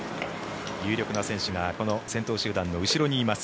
有力な選手がこの先頭集団の後ろにいます。